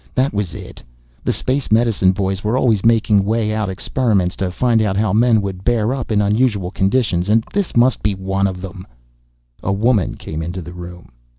That was it the space medicine boys were always making way out experiments to find out how men would bear up in unusual conditions, and this must be one of them A woman came into the room.